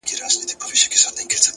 د ژوند ښکلا په مانا کې ده,